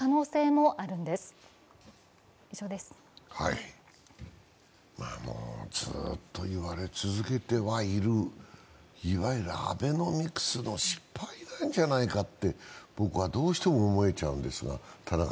もうずっと言われ続けてはいる、いわゆるアベノミクスの失敗なんじゃないかって僕はどうしても思えちゃうんですが。